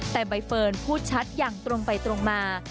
แต่ใบเฟิร์นพูดชัดอย่างตรงไปตรงมา